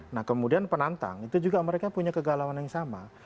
nah kemudian penantang itu juga mereka punya kegalauan yang sama